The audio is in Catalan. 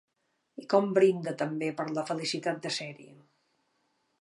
I com brinda també per la felicitat de ser-hi.